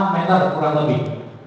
lima meter kurang lebih